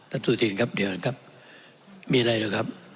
สุธินครับเดี๋ยวนะครับมีอะไรอยู่ครับ